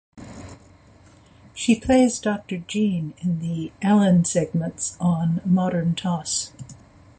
She plays Doctor Jean in the "Alan" segments on "Modern Toss".